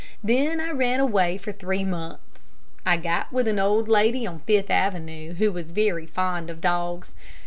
Then I ran away for three months. I got with an old lady on Fifth Avenue, who was very fond of dogs.